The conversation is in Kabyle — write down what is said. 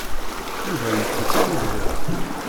Yuba yettett am ugḍiḍ.